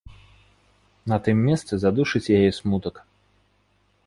На тым месцы задушыць яе смутак.